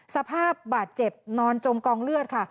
สภาพบาดเจ็บนอนจมกองเลือดค่ะ